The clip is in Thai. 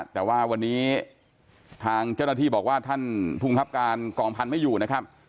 แต่ว่าวันนี้ทางเจ้าหน้าที่บอกว่าท่านภูมิครับการกองพันธุ์ไม่อยู่นะครับ